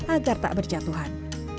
agar tak berjatuhan